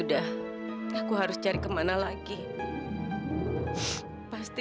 duh bapak kacau kali ah